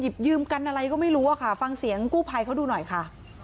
เพราะดูหน่อยค่ะ